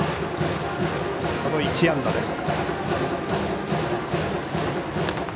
その１安打です。